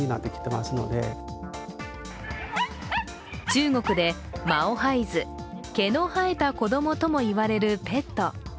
中国で毛孩子＝マオハイズ毛の生えた子供とも言われるペット。